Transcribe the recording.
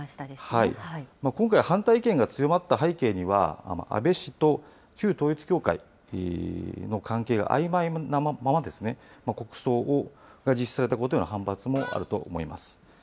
今回、反対意見が強まった背景には、安倍氏と旧統一教会の関係があいまいなままですね、国葬が実施されたことへの反発もあると思います。